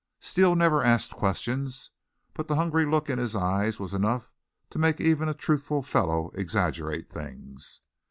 Steele never asked questions, but the hungry look in his eyes was enough to make even a truthful fellow exaggerate things.